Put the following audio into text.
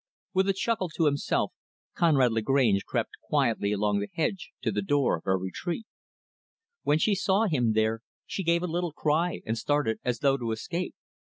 With a chuckle to himself, Conrad Lagrange crept quietly along the hedge to the door of her retreat. When she saw him there, she gave a little cry and started as though to escape.